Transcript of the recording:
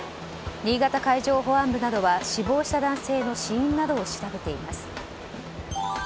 新潟海上保安部などは死亡した男性の死因などを調べています。